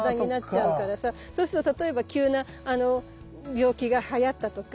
そうすると例えば急な病気がはやったとか。